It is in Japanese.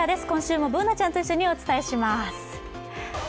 今週もＢｏｏｎａちゃんと一緒にお伝えします。